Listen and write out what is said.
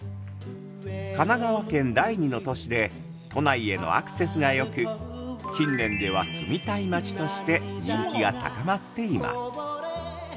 神奈川県第２の都市で都内へのアクセスがよく近年では、住みたい町として人気が高まっています。